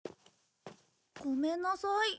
ごめんなさい。